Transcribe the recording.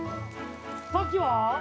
さっきは？